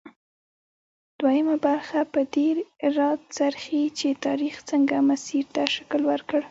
دویمه برخه پر دې راڅرخي چې تاریخ څنګه مسیر ته شکل ورکړ.